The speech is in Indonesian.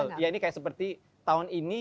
betul ya ini seperti tahun ini